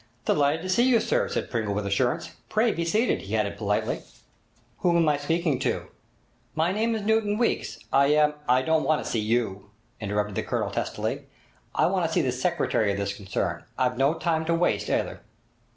'Delighted to see you, sir,' said Pringle with assurance. 'Pray be seated,' he added politely. 'Who am I speaking to?' 'My name is Newton Weeks. I am——' 'I don't want to see you!' interrupted the Colonel testily. 'I want to see the secretary of this concern. I've no time to waste either.'